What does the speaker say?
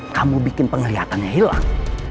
kamu bikin penglihatannya hilang